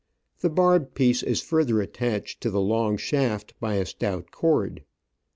The barbed piece is further attached to the long shaft by a stout cord.